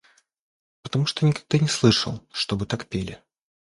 потому что никогда не слышал, чтобы так пели.